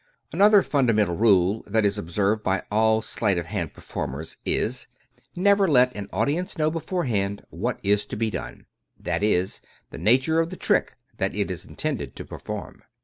Another fundamental rule that is observed by all sleight of hand performers is: Never to let an audience know be forehand what is to be done ; i. e., the nature of the trick that it is intended to perform.